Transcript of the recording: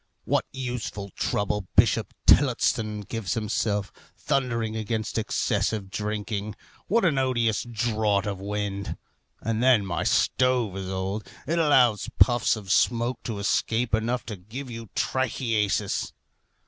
What useful trouble Bishop Tillotson gives himself, thundering against excessive drinking. What an odious draught of wind! And then my stove is old. It allows puffs of smoke to escape enough to give you trichiasis.